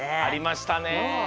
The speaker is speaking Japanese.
ありましたね。